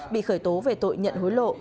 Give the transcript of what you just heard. bị khởi tố về tội nhận hối lộ